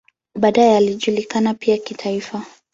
Baadaye alijulikana pia kitaifa.